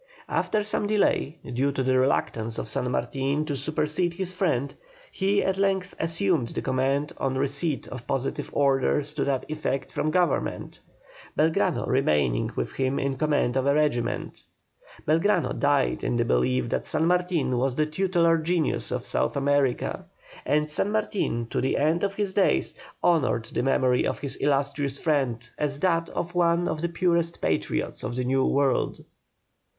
After some delay, due to the reluctance of San Martin to supersede his friend, he at length assumed the command on receipt of positive orders to that effect from Government, Belgrano remaining with him in command of a regiment. Belgrano died in the belief that San Martin was the tutelar genius of South America, and San Martin to the end of his days honoured the memory of his illustrious friend as that of one of the purest patriots of the New World.